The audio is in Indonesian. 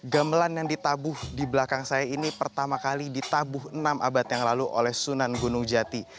gamelan yang ditabuh di belakang saya ini pertama kali ditabuh enam abad yang lalu oleh sunan gunung jati